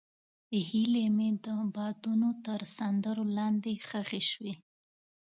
هیلې مې د بادونو تر سندرو لاندې ښخې شوې.